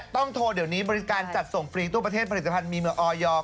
ต้องโทรเดี๋ยวนี้บริการจัดส่งฟรีตู้ประเทศผลิตภัณฑ์มีเมืองออยอร์